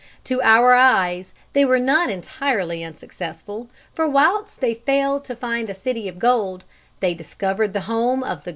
To our eyes they were not entirely unsuccessful, for whilst they failed to find a city of gold, they discovered the home of the golden pod.